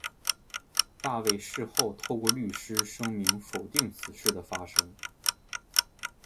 大卫事后透过律师声明否定此事的发生。